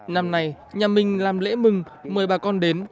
năm nay nhà mình làm lễ mừng mời bà con đến